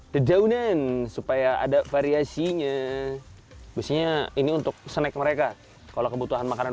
terjauan supaya ada variasinya biasanya ini untuk snack mereka kalau kebutuhan makanan